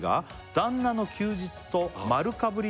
「旦那の休日と丸かぶりで」